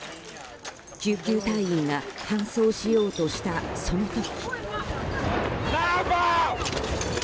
救急隊員が搬送しようとしたその時。